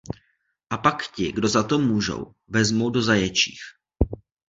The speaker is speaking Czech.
A pak ti, kdo za to můžou, vezmou do zaječích.